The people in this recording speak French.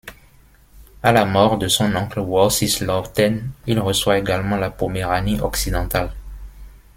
À la mort de son oncle Warcisław X, il reçoit également la Poméranie occidentale.